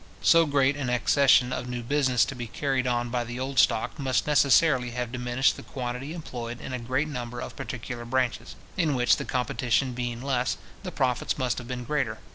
So great an accession of new business to be carried on by the old stock, must necessarily have diminished the quantity employed in a great number of particular branches, in which the competition being less, the profits must have been greater.